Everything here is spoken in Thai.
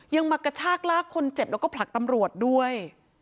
มากระชากลากคนเจ็บแล้วก็ผลักตำรวจด้วย